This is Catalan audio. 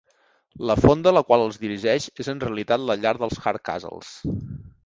La "fonda" a la qual els dirigeix és en realitat la llar dels Hardcastles.